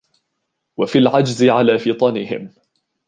وَفِي الْعَجْزِ عَلَى فِطَنِهِمْ